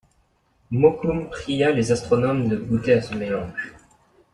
Mokoum pria les astronomes de goûter à ce mélange.